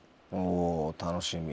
お楽しみ。